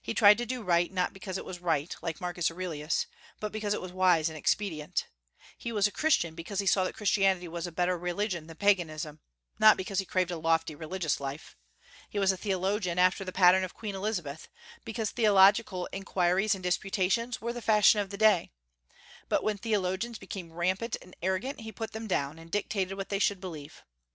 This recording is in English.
He tried to do right, not because it was right, like Marcus Aurelius, but because it was wise and expedient; he was a Christian, because he saw that Christianity was a better religion than Paganism, not because he craved a lofty religious life; he was a theologian, after the pattern of Queen Elizabeth, because theological inquiries and disputations were the fashion of the day; but when theologians became rampant and arrogant he put them down, and dictated what they should believe.